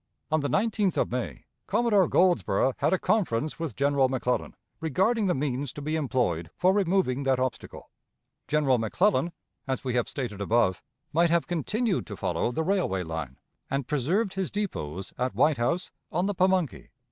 On the 19th of May Commodore Goldsborough had a conference with General McClellan regarding the means to be employed for removing that obstacle. ... General McClellan, as we have stated above, might have continued to follow the railway line, and preserved his depots at Whitehouse, on the Pamunkey